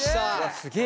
すげえ！